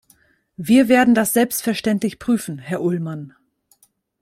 Wir werden das selbstverständlich prüfen, Herr Ullmann.